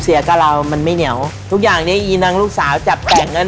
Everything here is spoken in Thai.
กับเรามันไม่เหนียวทุกอย่างนี้อีนังลูกสาวจับแต่งกัน